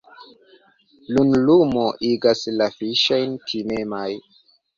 Lunlumo igas la fiŝojn timemaj.